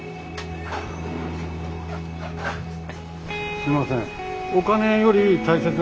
すみません。